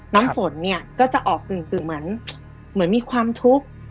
น้ำฝนเนี่ยก็จะออกกึ่งเหมือนมีความทุกข์